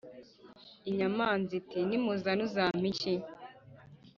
inyamanza iti ‘nimuzana uzampa iki?’